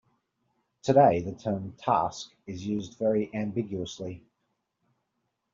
Today the term "task" is used very ambiguously.